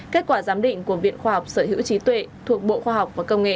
kết quả giám định của viện khoa học sở hữu trí tuệ thuộc bộ khoa học và công nghệ